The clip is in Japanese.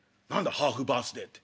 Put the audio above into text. ハーフバースデーって」。